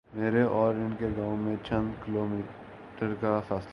میرے اور ان کے گاؤں میں چند کلو میٹرکا فاصلہ ہے۔